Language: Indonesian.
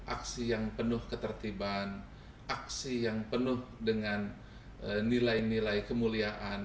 aksi yang penuh ketertiban aksi yang penuh dengan nilai nilai kemuliaan